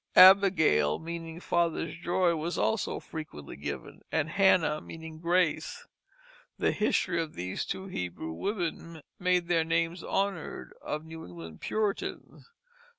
Abigail, meaning father's joy, was also frequently given, and Hannah, meaning grace; the history of these two Hebrew women made their names honored of New England Puritans.